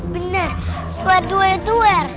bener suar dua yang tuer